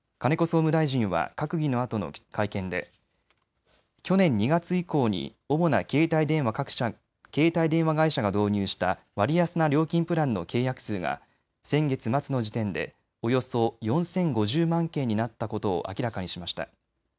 総務大臣は閣議のあとの会見で去年２月以降に主な携帯電話会社が導入した割安な料金プランの契約数が先月末の時点でおよそ４０５０万件になったことを明らかにしました。